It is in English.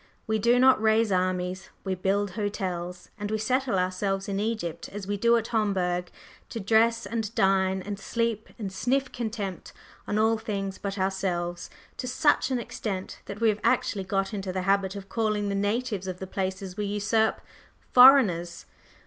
We do not raise armies, we build hotels; and we settle ourselves in Egypt as we do at Homburg, to dress and dine and sleep and sniff contempt on all things but ourselves, to such an extent that we have actually got into the habit of calling the natives of the places we usurp "foreigners."